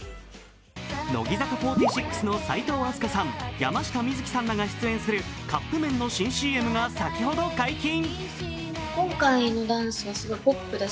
乃木坂４６の齋藤飛鳥さん、山下美月さんらが出演するカップめんの新ＣＭが、先ほど解禁。